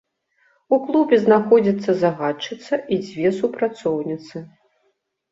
У клубе знаходзіцца загадчыца і дзве супрацоўніцы.